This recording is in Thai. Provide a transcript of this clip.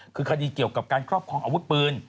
คือคดีเกี่ยวกับการครอบครองอาวุธปืน